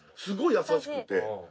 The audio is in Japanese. すごい優しくて。